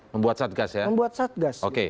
membuat satgas ya membuat satgas oke